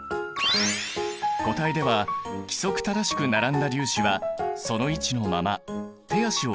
固体では規則正しく並んだ粒子はその位置のまま手足を動かしているくらい。